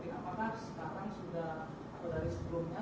dari penyelidikan peringkat pakar sekarang sudah atau dari sebelumnya